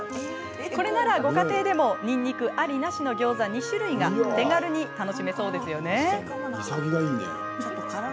これならご家庭でも、にんにくありなしのギョーザ２種類が手軽に楽しめそうですよね。